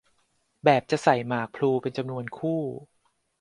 แบบจะใส่หมากพลูเป็นจำนวนคู่